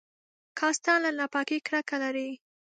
کاستان له ناپاکۍ کرکه لرله.